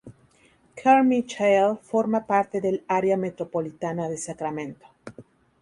Carmichael forma parte del área metropolitana de Sacramento.